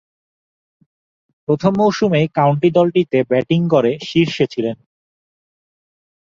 প্রথম মৌসুমেই কাউন্টি দলটিতে ব্যাটিং গড়ে শীর্ষে ছিলেন।